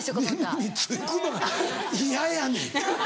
耳につくのは嫌やねん。